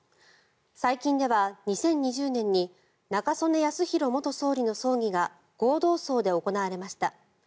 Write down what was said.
最近では２０２０年に中曽根康弘元総理の葬儀が合同葬で行われました。